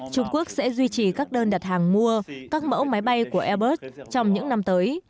trung quốc sẽ duy trì các đơn đặt hàng mua các mẫu máy bay của airbus trong những năm tới